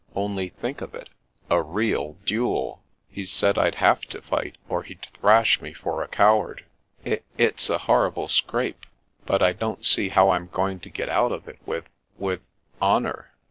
Only think of it, a real dud f He said I'd have to fight, or he'd thrash me for a coward. I — it's a horrid scrape, but I don't see how I'm going to get out of it with — ^with honour.